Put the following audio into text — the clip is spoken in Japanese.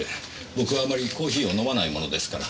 僕はあまりコーヒーを飲まないものですから。